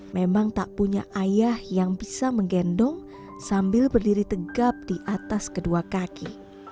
memang tak punya ayah yang bisa menggendong sambil berdiri tegap di atas kedua kaki